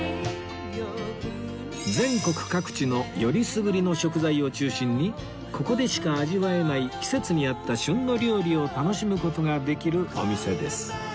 全国各地のよりすぐりの食材を中心にここでしか味わえない季節に合った旬の料理を楽しむ事ができるお店です